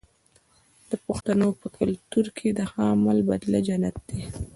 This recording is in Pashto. د پښتنو په کلتور کې د ښه عمل بدله جنت دی.